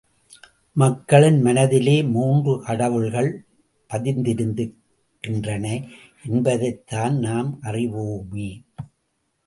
மக்களின் மனத்திலே மூன்று கடவுள்கள் பதிந்திருக்கின்றன என்பதைத்தான் நாம் அறிவோமே!